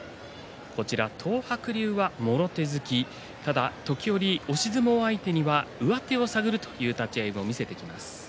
東白龍はもろ手突きただ時折、押し相撲相手に上手を探るという立ち合いも見せてきます。